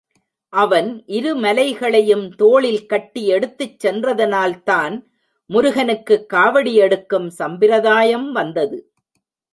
அவன் இரு மலைகளையும் தோளில் கட்டி எடுத்துச் சென்றதனால்தான் முருகனுக்கு காவடி எடுக்கும் சம்பிரதாயம் வந்தது.